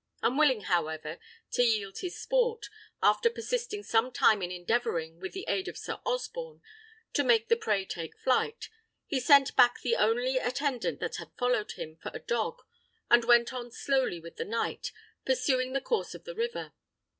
Unwilling, however, to yield his sport, after persisting some time in endeavouring, with the aid of Sir Osborne, to make the prey take flight, he sent back the only attendant that had followed him for a dog, and went on slowly with the knight, pursuing the course of the river.